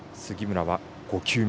杉村は５球目。